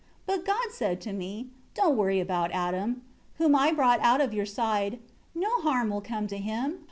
12 But God said to me: 'Do not worry about Adam, whom I brought out of your side; no harm will come to him.